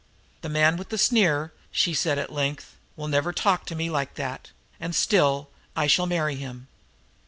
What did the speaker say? "The man with the sneer," she said at length, "will never talk to me like that, and still I shall marry him."